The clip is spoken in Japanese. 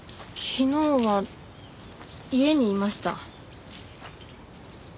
昨日は家にいました。